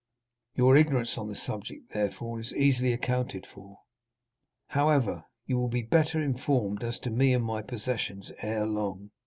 Your ignorance on the subject, therefore, is easily accounted for. However, you will be better informed as to me and my possessions ere long."